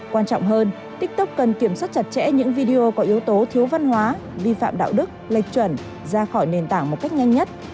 quan trọng hơn tiktok cần kiểm soát chặt chẽ những video có yếu tố thiếu văn hóa vi phạm đạo đức lệch chuẩn ra khỏi nền tảng một cách nhanh nhất